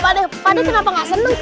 pak d pak d kenapa gak senang